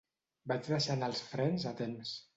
Vaig deixar anar els frens a temps.